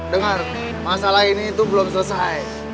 dengar masalah ini itu belum selesai